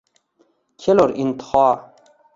Kelur intiho